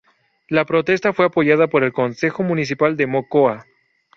La protesta fue apoyada por el Concejo Municipal de Mocoa.